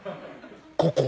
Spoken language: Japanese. ここ？